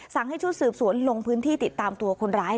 ให้ชุดสืบสวนลงพื้นที่ติดตามตัวคนร้าย